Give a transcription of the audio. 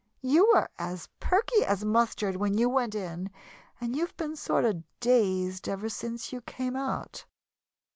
You were as perky as mustard when you went in and you've been sort of dazed ever Since you came out."